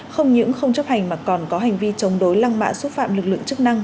không những không chấp hành mà còn có hành vi chống đối lăng mạ xúc phạm lực lượng chức năng